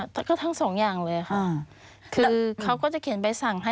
แต่ก็ทั้งสองอย่างเลยค่ะคือเขาก็จะเขียนใบสั่งให้